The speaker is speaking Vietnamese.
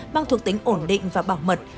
mang thuộc tính ổn định và bảo mật